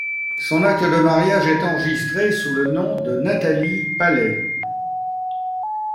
Son acte de mariage est enregistré sous le nom de Nathalie Paley.